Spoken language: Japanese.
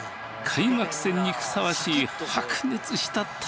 開幕戦にふさわしい白熱した戦い！